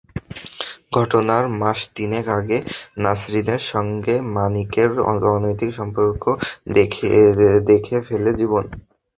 ঘটনার মাস তিনেক আগে নাসরিনের সঙ্গে মানিকের অনৈতিক সম্পর্ক দেখে ফেলে জীবন।